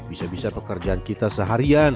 bisa bisa pekerjaan kita seharian